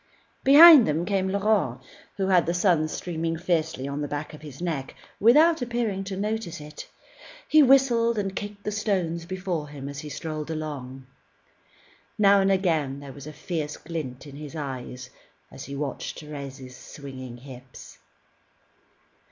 Behind them came Laurent, who had the sun streaming fiercely on the back of his neck, without appearing to notice it. He whistled and kicked the stones before him as he strolled along. Now and again there was a fierce glint in his eyes as he watched Thérèse's swinging hips.